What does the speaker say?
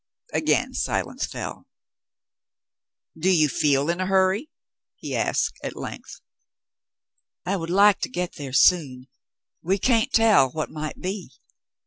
Again silence fell. "Do you feel in a hurry ?" he asked at length. "I would like to get there soon. We can't tell what might be."